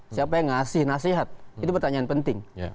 siapa yang ngasih nasihat itu pertanyaan penting